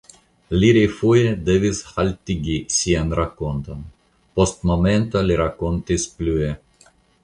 Li refoje devis haltigi sian rakonton; post momento li rakontis plue.